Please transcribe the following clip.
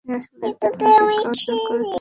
তিনি আসলেই একটি ভাল শিক্ষা অর্জন করেছিলেন।